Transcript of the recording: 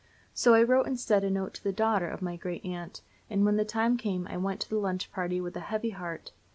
So I wrote instead a note to the daughter of my great aunt, and when the time came I went to the lunch party with a heavy heart.